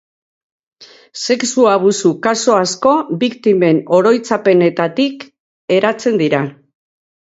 Sexu-abusu kasu asko biktimen oroitzapenetatik eratzen dira.